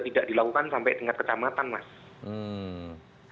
tidak dilakukan sampai tingkat kecamatan mas